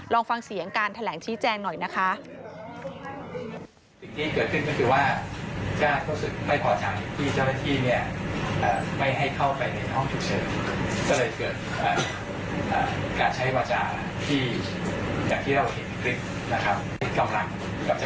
ลองฟังเสียงการแถลงชี้แจงหน่อยนะคะ